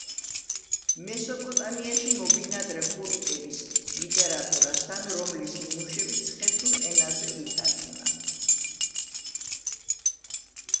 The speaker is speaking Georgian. მესოპოტამიაში მობინადრე ხურიტების ლიტერატურასთან, რომლის ნიმუშებიც ხეთურ ენაზე ითარგმნა.